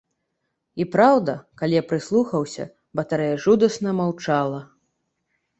І праўда, калі я прыслухаўся, батарэя жудасна маўчала.